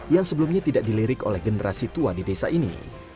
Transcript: yang sebelumnya tidak dilirik oleh generasi tua di desa ini